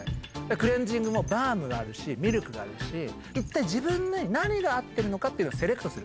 クレンジングもバームがあるし、ミルクがあるし、一体自分に何が合ってるのかっていうセレクトする。